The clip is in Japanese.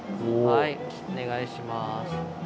はいお願いします。